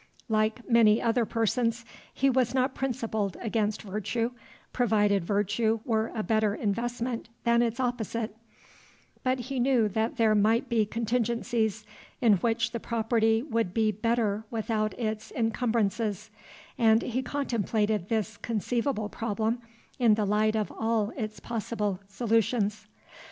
Like many other persons, he was not principled against virtue, provided virtue were a better investment than its opposite; but he knew that there might be contingencies in which the property would be better without its incumbrances, and he contemplated this conceivable problem in the light of all its possible solutions.